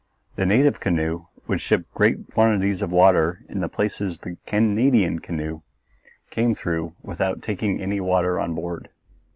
The native canoe would ship great quantities of water in places the Canadian canoe came through without taking any water on board.